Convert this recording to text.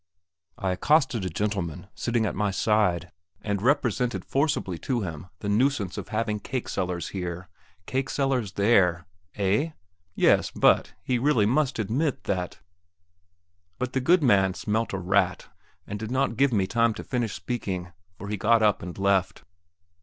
I accosted a gentleman sitting at my side, and represented forcibly to him the nuisance of having cake sellers here, cake sellers there.... Eh? Yes; but he must really admit that.... But the good man smelt a rat, and did not give me time to finish speaking, for he got up and left.